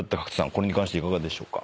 これに関していかがでしょうか？